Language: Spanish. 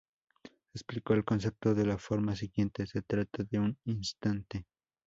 Explicó el concepto de la forma siguiente: "Se trata de un instante.